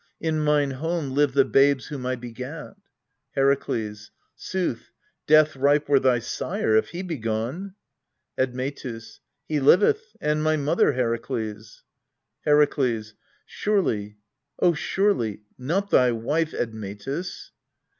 In mine home live the babes whom I begat. Herakles. Sooth, death ripe were thy sire, if he be gone. Admetus. He liveth, and my mother, Herakles. Herakles. Surely, O surely, not thy wife, Admetus?